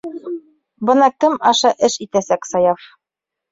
Бына кем аша эш итәсәк Саяф.